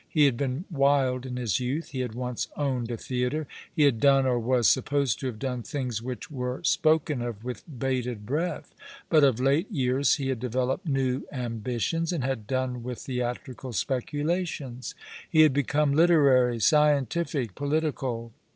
He had been wild in his youth. He had once owned a theatre. He had done, or was supposed to have done, things which were spoken of with bated breath; but of late years he had developed new ambitions, and had done with theatrical speculations. He had become literary, scientific, political.